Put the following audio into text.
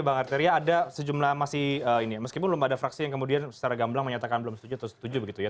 bang arteria ada sejumlah masih ini ya meskipun belum ada fraksi yang kemudian secara gamblang menyatakan belum setuju atau setuju begitu ya